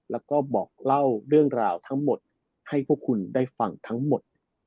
แล้วก็บอกเล่าเรื่องราวทั้งหมดให้พวกคุณได้ฟังทั้งหมด